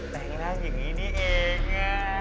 แปลงร่างอย่างนี้นี่เอง